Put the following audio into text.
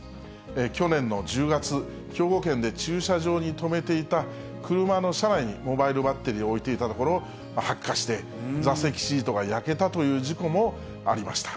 去年の１０月、兵庫県で駐車場に止めていた車の車内にモバイルバッテリーを置いていたところ、発火して、座席シートが焼けたという事故もありました。